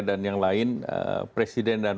dan yang lain presiden dan